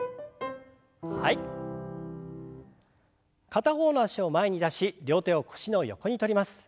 片方の脚を前に出し両手を腰の横に取ります。